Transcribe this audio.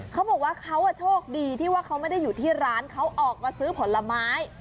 เขาบอกว่าเขาโชคดีที่ว่าเขาไม่ได้อยู่ที่ร้านเขาออกมาซื้อผลไม้